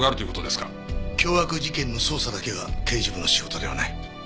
凶悪事件の捜査だけが刑事部の仕事ではない。